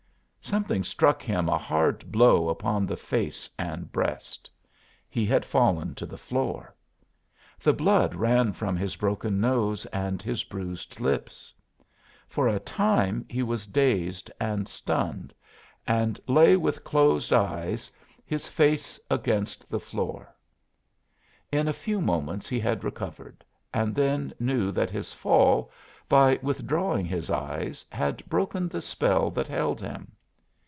Something struck him a hard blow upon the face and breast. He had fallen to the floor; the blood ran from his broken nose and his bruised lips. For a time he was dazed and stunned, and lay with closed eyes, his face against the floor. In a few moments he had recovered, and then knew that this fall, by withdrawing his eyes, had broken the spell that held him.